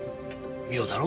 妙だろ？